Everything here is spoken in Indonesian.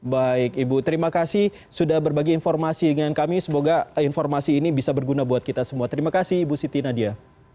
baik ibu terima kasih sudah berbagi informasi dengan kami semoga informasi ini bisa berguna buat kita semua terima kasih ibu siti nadia